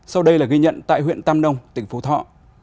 sau đây là ghi nhận tại huyện tam nông tỉnh phú thọ